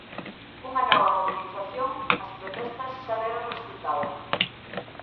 Unha nova mobilización As protestas xa deron resultado.